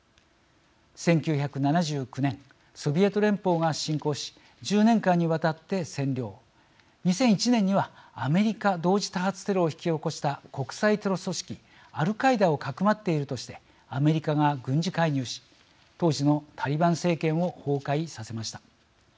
１９７９年ソビエト連邦が侵攻し１０年間にわたって占領２００１年にはアメリカ同時多発テロを引き起こした国際テロ組織アルカイダをかくまっているとしてアメリカが軍事介入し当時のタリバン政権を崩壊させました。